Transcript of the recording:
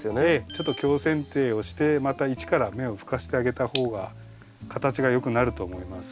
ちょっと強せん定をしてまた一から芽を吹かせてあげた方が形がよくなると思います。